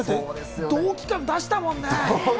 同期感だしたもんね。